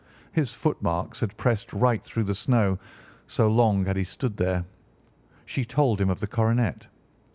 His footmarks had pressed right through the snow, so long had he stood there. She told him of the coronet.